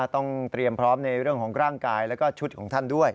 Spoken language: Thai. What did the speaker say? ต้องเตรียมพร้อมในเรื่องของร่างกายแล้วก็ชุดของท่านด้วย